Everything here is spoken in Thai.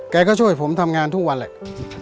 แกก็ช่วยผมทำงานทุกวันแหละ